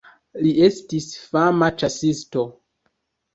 Li estis fama ĉasisto.